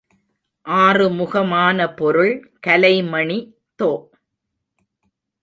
ஆறுமுகமான பொருள் கலைமணி தொ.